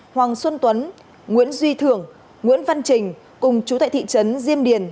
hoàng xuân tuấn nguyễn duy thưởng nguyễn văn trình cùng chú tại thị trấn diêm điền